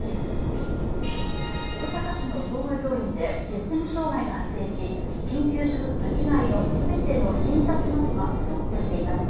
大阪市の総合病院でシステム障害が発生し緊急手術以外の全ての診察などがストップしています。